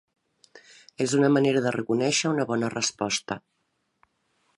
És una manera de reconèixer una bona resposta.